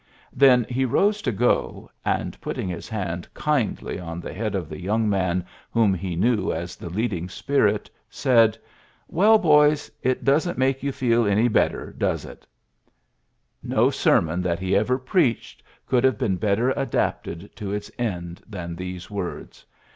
Then he rose to go, and, putting his hand kindly on the head of the young man whom he knew as the leading spirit, said, '^Well, boys, it doesnH make you feel any better, does it f No sermon that he ever preached could have been better adapted to its end than these words.